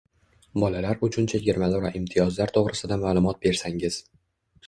Bolalar uchun chegirmalar va imtiyozlar to‘g‘risida ma’lumot bersangiz?